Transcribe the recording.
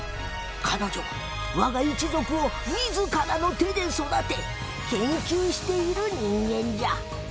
彼女は我が一族を自らの手で育て研究している人間じゃ。